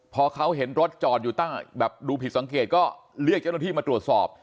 พอเขาเห็นรถจอดอยู่ตั้งแบบดูผิดสังเกตก็เรียกเจ้าหน้าที่มาตรวจสอบ